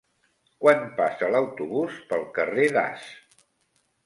Quan passa l'autobús pel carrer Das?